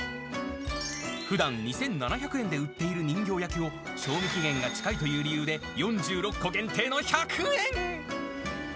ふだん、２７００円で売っている人形焼きを、賞味期限が近いという理由で、４６個限定の１００円。